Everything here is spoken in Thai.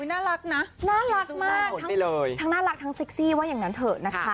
น่ารักนะน่ารักมากทั้งน่ารักทั้งเซ็กซี่ว่าอย่างนั้นเถอะนะคะ